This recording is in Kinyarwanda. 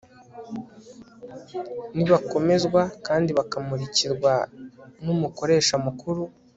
nibakomezwa kandi bakamurikirwa n'umukoresha mukuru